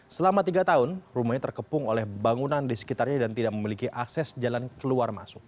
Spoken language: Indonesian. selama tiga tahun rumahnya terkepung oleh bangunan di sekitarnya dan tidak memiliki akses jalan keluar masuk